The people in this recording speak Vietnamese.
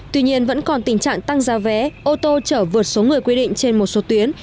tuy nhiên vẫn còn tình trạng tăng giá vé ô tô chở vượt số người quy định trên một số tuyến